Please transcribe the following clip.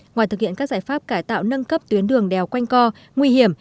ngoài thực hiện các giải pháp cải tạo nâng cấp tuyến đường đèo quanh co nguy hiểm